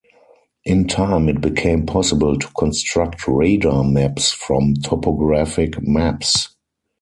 In time, it became possible to construct radar maps from topographic maps.